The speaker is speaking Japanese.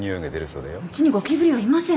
うちにゴキブリはいません。